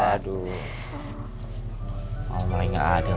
aduh kamu mulai gak adil